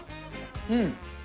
うん。